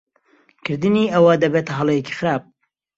کردنی ئەوە دەبێتە ھەڵەیەکی خراپ.